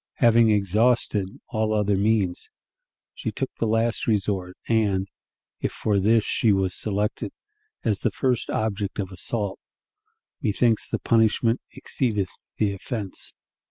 Having exhausted all other means, she took the last resort, and, if for this she was selected as the first object of assault, "methinks the punishment exceedeth the offense."